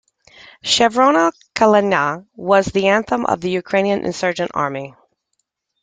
"Chervona Kalyna" was the anthem of the Ukrainian Insurgent Army.